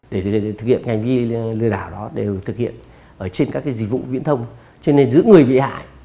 để thực hiện hành vi lừa đảo đều thực hiện ở trên các dịch vụ viễn thông trên nền dưỡng người bị hại